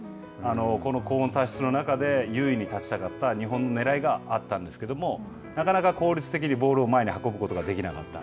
この高温多湿の中で優位に立ちたかった日本のねらいがあったんですけれども、なかなか効率的にボールを前に運ぶことができなかった。